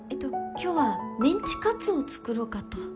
今日はメンチカツを作ろうかと。